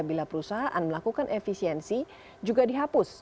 bila perusahaan melakukan efisiensi juga dihapus